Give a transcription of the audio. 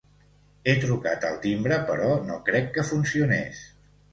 He trucat al timbre però no crec que funcionés.